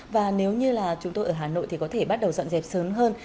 và nếu như là chúng tôi ở hà nội thì có thể bắt đầu dọn dẹp sớm hơn